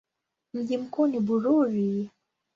Mji mkuu ni Bururi.